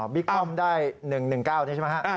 บิคล่อมได้๑๑๙๐๐๐บาทใช่ไหมครับ